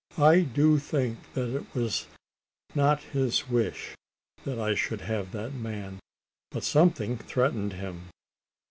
I do think that it was not his wish that I should have that man; but something threatened him."